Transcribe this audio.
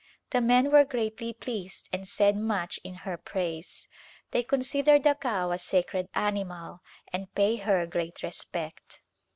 The men were greatly pleased and said much in her praise. They consider the cow a sacred animal and pay her great respect.